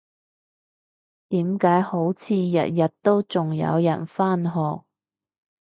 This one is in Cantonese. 點解好似日日都仲有人返學？